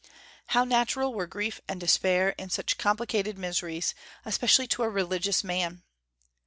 How natural were grief and despair, in such complicated miseries, especially to a religious man!